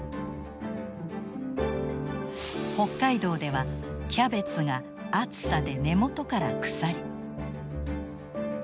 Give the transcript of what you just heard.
北海道ではキャベツが暑さで根元から腐り。